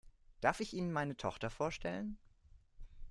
Darf ich Ihnen meine Tochter vorstellen?